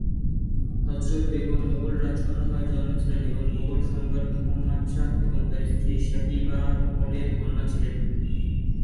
হযরত বেগম মুগল রাজকন্যা হয়ে জন্মেছিলেন এবং মুগল সম্রাট মুহাম্মদ শাহ এবং তার স্ত্রী সাহিবা মহলের কন্যা ছিলেন।